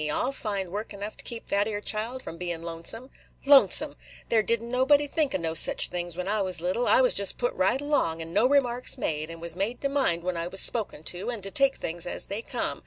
I 'll find work enough to keep that 'ere child from bein' lonesome. Lonesome! – there did n't nobody think of no such things when I was little. I was jest put right along, and no remarks made; and was made to mind when I was spoken to, and to take things as they come.